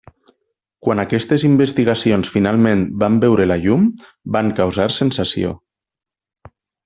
Quan aquestes investigacions finalment van veure la llum, van causar sensació.